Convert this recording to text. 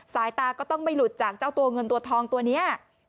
สายตาก็ต้องไม่หลุดจากเจ้าตัวเงินตัวทองตัวนี้